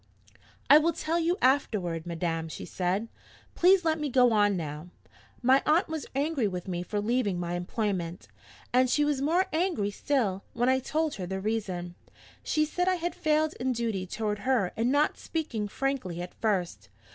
'I will tell you afterward, madam,' she said. 'Please let me go on now. My aunt was angry with me for leaving my employment and she was more angry still, when I told her the reason. She said I had failed in duty toward her in not speaking frankly at first.